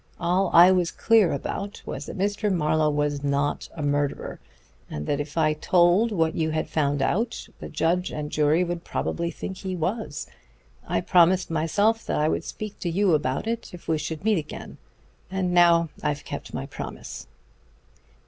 All I was clear about was that Mr. Marlowe was not a murderer, and that if I told what you had found out, the judge and jury would probably think he was. I promised myself that I would speak to you about it if we should meet again; and now I've kept my promise."